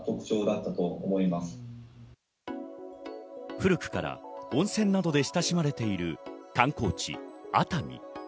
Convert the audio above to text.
古くから温泉などで親しまれている観光地・熱海。